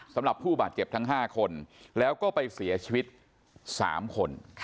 สำหรับผู้บาดเจ็บทั้ง๕คนแล้วก็ไปเสียชีวิต๓คน